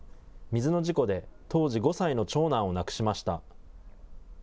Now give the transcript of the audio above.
水の事故で当時５歳の長男を亡くしました。